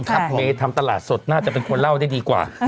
ถ้าเมย์ทำตลาดสดน่าจะเป็นคนเล่าได้ดีกว่า